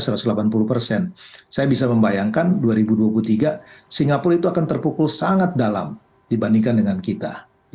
saya bisa membayangkan dua ribu dua puluh tiga singapura itu akan terpukul sangat dalam dibandingkan dengan kita